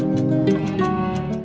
xin chào và hẹn gặp lại